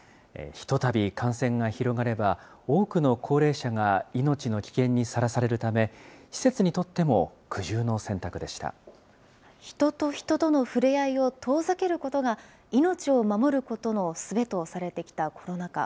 一たび感染が広がれば、多くの高齢者が命の危険にさらされるため、施設にとっても苦渋の人と人との触れ合いを遠ざけることが、命を守ることのすべとされてきたコロナ禍。